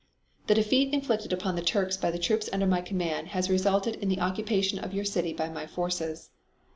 The defeat inflicted upon the Turks by the troops under my command has resulted in the occupation of your city by my forces.